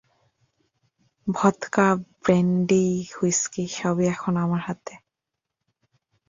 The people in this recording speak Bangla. ভদকা, ব্র্যান্ডি, হুইস্কি সবই এখন আমার হাতে।